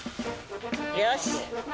よし！